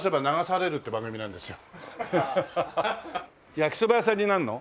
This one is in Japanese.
焼きそば屋さんになるの？